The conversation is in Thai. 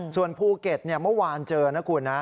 ส่วนภูเก็ตเมื่อวานเจอนะคุณนะ